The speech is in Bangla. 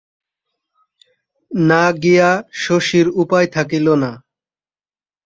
না গিয়া শশীর উপায় থাকিল না।